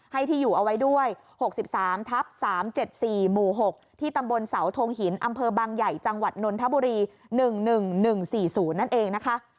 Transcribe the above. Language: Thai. ที่อยู่เอาไว้ด้วย๖๓ทับ๓๗๔หมู่๖ที่ตำบลเสาทงหินอำเภอบางใหญ่จังหวัดนนทบุรี๑๑๑๔๐นั่นเองนะคะ